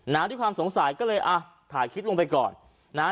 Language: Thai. ด้วยความสงสัยก็เลยอ่ะถ่ายคลิปลงไปก่อนนะฮะ